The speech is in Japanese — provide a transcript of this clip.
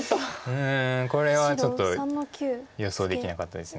うんこれはちょっと予想できなかったです。